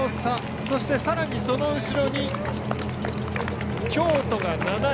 そして、さらにその後ろに京都が７位。